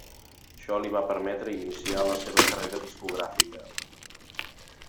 Això li va permetre iniciar la seva carrera discogràfica.